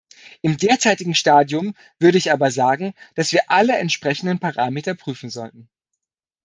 Im derzeitigen Stadium würde ich aber sagen, dass wir alle entsprechenden Parameter prüfen sollten.